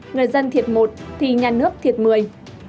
người dân thiệt một thì nhà nước thiệt mười